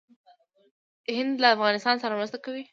هند له افغانستان سره مرسته کوي.